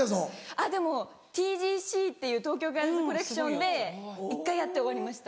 あっでもＴＧＣっていう東京ガールズコレクションで１回やって終わりました。